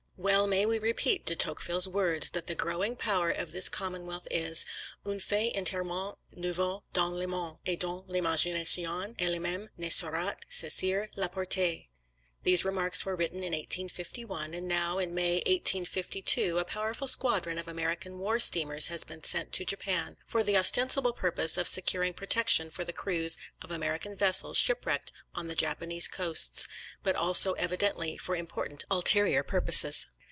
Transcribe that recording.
Well may we repeat De Tocqueville's words, that the growing power of this commonwealth is, "Un fait entierement nouveau dans le monde, et dont l'imagination ellememe ne saurait saisir la portee." [These remarks were written in May 1851, and now, in May 1852, a powerful squadron of American war steamers has been sent to Japan, for the ostensible purpose of securing protection for the crews of American vessels shipwrecked on the Japanese coasts, but also evidently for important ulterior purposes.